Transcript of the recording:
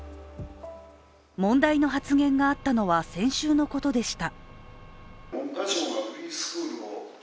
問題の発言があったのは先週のことでした。